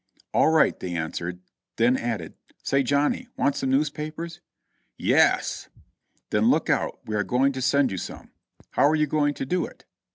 "All right," they answered; then added, "Say, Johnny, want some newspapers?" "Y e s!" "Then look out, we are going to send you some." "How are you going to do it?"